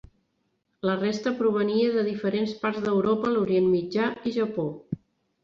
La resta provenia de diferents parts d'Europa, l'Orient Mitjà i Japó.